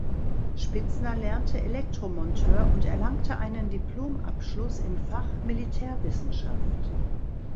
Spitzner lernte Elektromonteur und erlangte einen Diplomabschluss im Fach Militärwissenschaft.